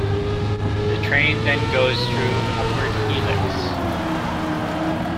The train then goes through an upward helix.